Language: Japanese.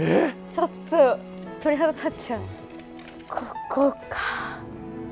ちょっと鳥肌立っちゃうここか。